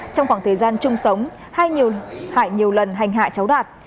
trong khoảng thời gian chung sống hải nhiều lần hành hại cháu đạt